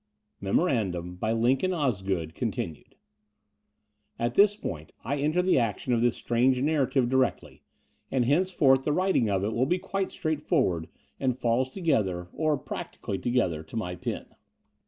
MEMORANDUM By Lincoln Osgood {continued) At this point I enter the action of this strange narrative directly, and henceforth the writing of it will be quite straightforward and falls altogether, or practically altogether, to my pen.